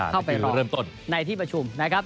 เข้าไปรอบในที่ประชุมนะครับ